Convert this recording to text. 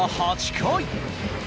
８回。